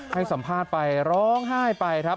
ให้สัมภาษณ์ไปร้องไห้ไปครับ